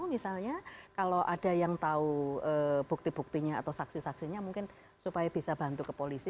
misalnya kalau ada yang tahu bukti buktinya atau saksi saksinya mungkin supaya bisa bantu ke polisi